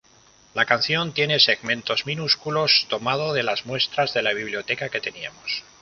La canción “tiene segmentos minúsculos, tomado de las muestras de la biblioteca que teníamos.